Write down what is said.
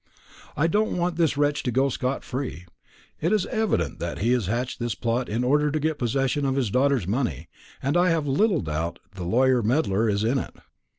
I don't want this wretch to go scot free. It is evident that he has hatched this plot in order to get possession of his daughter's money, and I have little doubt the lawyer Medler is in it.